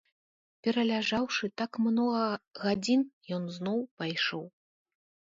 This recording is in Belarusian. Пераляжаўшы так многа гадзін, ён зноў пайшоў.